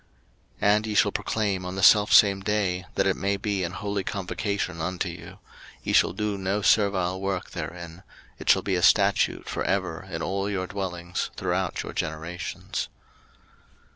03:023:021 And ye shall proclaim on the selfsame day, that it may be an holy convocation unto you: ye shall do no servile work therein: it shall be a statute for ever in all your dwellings throughout your generations.